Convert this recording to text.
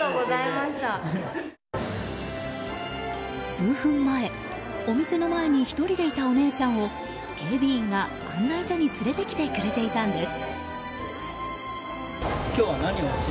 数分前、お店の前に１人でいたお姉ちゃんを警備員が案内所に連れてきてくれたんです。